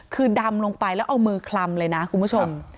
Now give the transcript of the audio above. คือดำลงไปแล้วเอามือคลำเลยนะคุณผู้ชม